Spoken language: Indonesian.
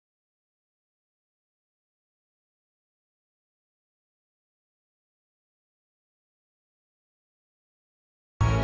abis itu kalau agel dan ayo bersama aku ngobrol